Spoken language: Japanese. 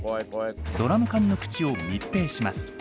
ドラム缶の口を密閉します。